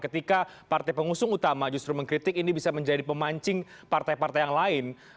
ketika partai pengusung utama justru mengkritik ini bisa menjadi pemancing partai partai yang lain